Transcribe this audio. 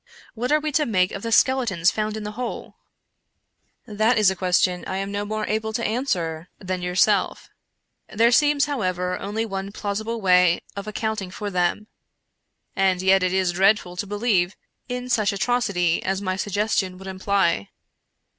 What are we to make of the skeletons found in the hole?" " That is a question I am no more able to answer than 163 American Mystery Stories yourself. There seems, however, only one plausible way of accounting for them — and yet it is dreadful to believe in such atrocity as my suggestion would imply.